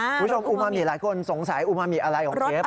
คุณผู้ชมอุมามิหลายคนสงสัยอุมามิอะไรของเชฟ